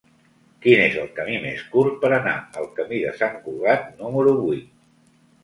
Quin és el camí més curt per anar al camí de Sant Cugat número vuit?